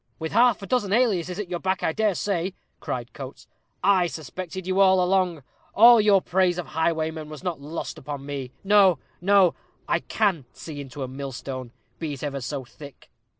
"With half a dozen aliases at your back, I dare say," cried Coates. "I suspected you all along. All your praise of highwaymen was not lost upon me. No, no; I can see into a millstone, be it ever so thick."